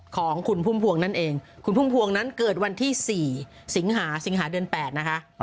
ของคุณพุ่มพวงนั่นเองคุณพุ่มพวงนั้นเกิดวันที่๔สิงหาสิงหาเดือน๘นะคะ